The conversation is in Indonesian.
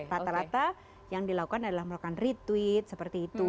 rata rata yang dilakukan adalah melakukan retweet seperti itu